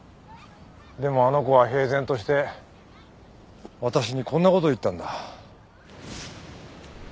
でもあの子は平然として私にこんなことを言ったんだ。